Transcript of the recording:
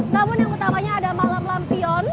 namun yang utamanya ada malam lampion